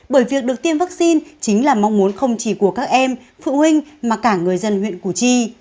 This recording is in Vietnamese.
bởi việc được tiêm vaccine chính là mong muốn không chỉ của các em phụ huynh mà cả người dân huyện củ chi